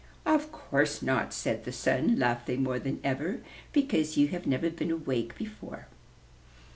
"Of course not," said the Sun, laughing more than ever, "because you have never been awake before.